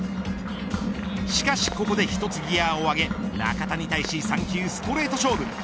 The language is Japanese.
しかし、ここで１つギアを上げ中田に対し３球ストレート勝負。